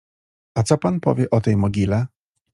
— A co pan powie o tej mogile?